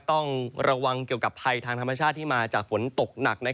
ต้องระวังเกี่ยวกับภัยทางธรรมชาติที่มาจากฝนตกหนัก